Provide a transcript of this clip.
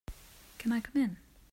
Can I come in?